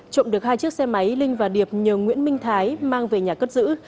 trộm được hai chiếc xe máy linh và điệp nhờ nguyễn minh thái mang về nhà cất giữ